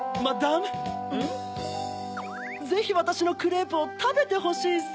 ぜひわたしのクレープをたべてほしいさ！